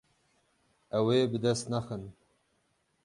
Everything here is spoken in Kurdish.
Ew ê bi dest nexin.